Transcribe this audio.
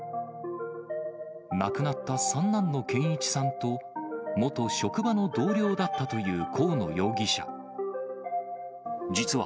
亡くなった三男の健一さんと、元職場の同僚だったという河野容疑者。